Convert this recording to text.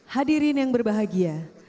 hadirin yang berbahagia